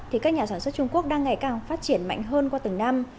thì các nhà sản xuất trung quốc đang ngày càng phát triển mạnh hơn qua từng năm